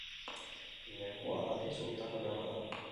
Negua aldiz, urtaro lehorra da.